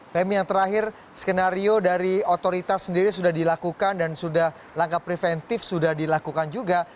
femi yang terakhir skenario dari otoritas sendiri sudah dilakukan dan sudah langkah preventif sudah dilakukan juga